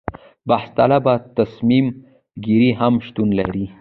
بحث طلبه تصمیم ګیري هم شتون لري.